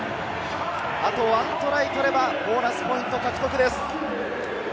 あと１トライ取れば、ボーナスポイント獲得です。